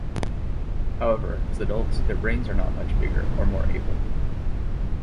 However, as adults, their brains are not much bigger or more able.